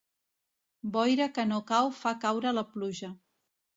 Boira que no cau fa caure la pluja.